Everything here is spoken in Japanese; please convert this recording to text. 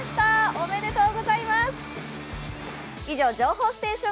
おめでとうございます。